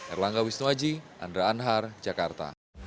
erlangga wisnuaji andra anhar jakarta